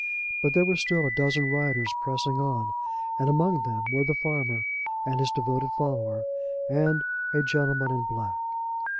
But there were still a dozen riders pressing on, and among them were the farmer and his devoted follower, and a gentleman in black.